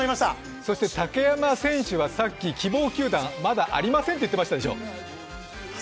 そして竹山選手は希望球団はまだ、ありませんって言ってましたでしょう。